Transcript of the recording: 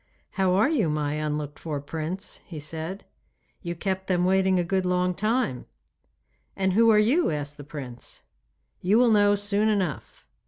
'How are you my unlooked for Prince?' he said. 'You kept them waiting a good long time!' 'And who are you?' asked the prince. 'You will know soon enough.